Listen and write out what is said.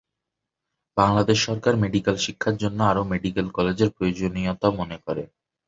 বাংলাদেশ সরকার মেডিকেল শিক্ষার জন্য আরও মেডিকেল কলেজের প্রয়োজনীয়তা মনে করে।